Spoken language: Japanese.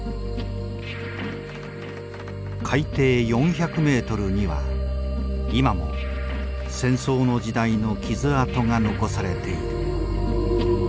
海底４００ｍには今も戦争の時代の傷痕が残されている。